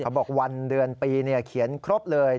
บอกวันเดือนปีเขียนครบเลย